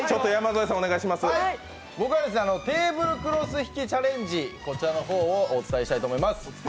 僕はテーブルクロス引きチャレンジ、こちらの方をお伝えしたいと思います。